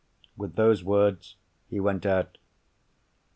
With those words, he went out.